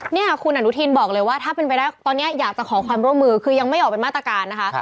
เนี่ยคุณอนุทินบอกเลยว่าถ้าเป็นไปได้ตอนนี้อยากจะขอความร่วมมือคือยังไม่ออกเป็นมาตรการนะคะ